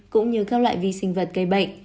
cũng như các loại vi sinh vật gây bệnh